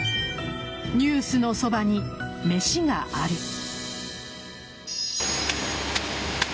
「ニュースのそばに、めしがある。」